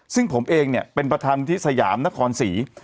ซึ่งผมเองเนี่ยเป็นประธานที่สยามนครศรี